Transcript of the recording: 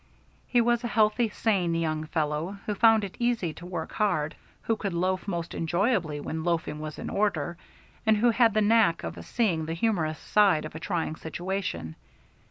He was a healthy, sane young fellow who found it easy to work hard, who could loaf most enjoyably when loafing was in order, and who had the knack of seeing the humorous side of a trying situation.